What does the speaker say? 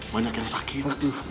banyak yang sakit